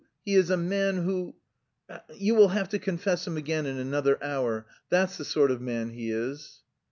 he is a man who... You will have to confess him again in another hour! That's the sort of man he is."